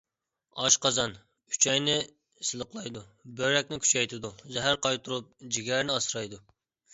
ئاشقازان، ئۈچەينى سىلىقلايدۇ، بۆرەكنى كۈچەيتىدۇ، زەھەر قايتۇرۇپ، جىگەرنى ئاسرايدۇ.